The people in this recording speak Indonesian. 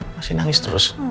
masih nangis terus